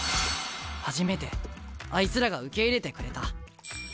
初めてあいつらが受け入れてくれた。